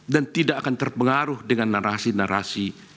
dan tidak akan terpengaruh dengan narasi narasi